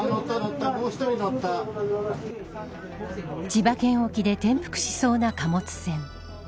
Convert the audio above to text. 千葉県沖で転覆しそうな貨物船。